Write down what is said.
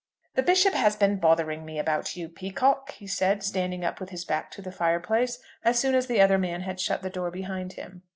"The Bishop has been bothering me about you, Peacocke," he said, standing up with his back to the fireplace, as soon as the other man had shut the door behind him.